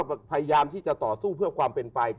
พยายามที่จะต่อสู้เพื่อความเป็นไป